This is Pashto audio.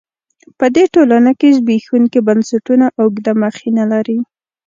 په دې ټولنو کې زبېښونکي بنسټونه اوږده مخینه لري.